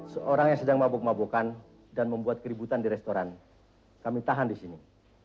seorang yang sedang mabuk mabukan dan membuat keributan di restoran kami tahan di sini